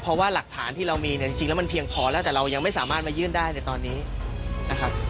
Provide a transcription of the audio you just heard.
เพราะว่าหลักฐานที่เรามีเนี่ยจริงแล้วมันเพียงพอแล้วแต่เรายังไม่สามารถมายื่นได้ในตอนนี้นะครับ